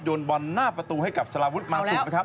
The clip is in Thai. บอลหน้าประตูให้กับสารวุฒิมาสุกนะครับ